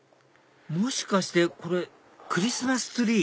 もしかしてこれクリスマスツリー？